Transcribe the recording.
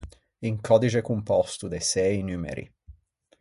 Un còdixe compòsto de sëi numeri.